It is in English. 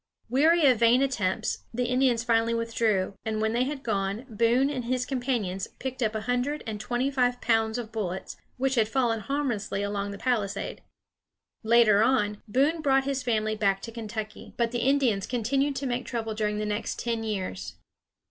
Weary of vain attempts, the Indians finally withdrew; and when they had gone, Boone and his companions picked up a hundred and twenty five pounds of bullets, which had fallen harmlessly along the palisade. Later on, Boone brought his family back to Kentucky; but the Indians continued to make trouble during the next ten years.